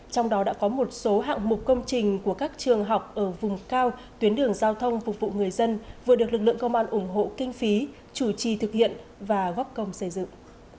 trong đó đã có một số hạng mục công trình của các trường học ở vùng cao tuyến đường giao thông phục vụ người dân vừa được lực lượng công an ủng hộ kinh phí chủ trì thực hiện và góp công xây dựng